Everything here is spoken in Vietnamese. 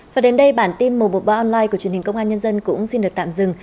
và đến đây bản tin mùa bộ online của truyền hình công an nhân dân cũng xin được tạm dừng